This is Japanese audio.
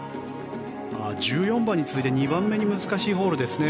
１４番に次いで２番目に難しいホールですね。